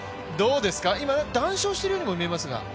今談笑しているようにも見えますが。